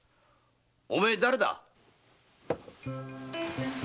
お前誰だ？